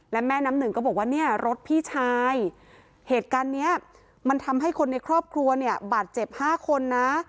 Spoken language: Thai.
และแม่น้ำหนึ่งก็บอกว่าเนี่ยรถพี่ชายเหตุการณ์เนี้ยมันทำให้คนในครอบครัวเนี่ยบาดเจ็บ๕คนนะ